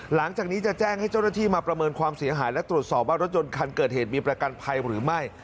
หลังจากนี้จะแจ้งให้เจ้าหน้าที่มาประเมินความเสียหายและตรวจสอบว่ารถยนต์คันเกิดเหตุมีประกันภัยหรือไม่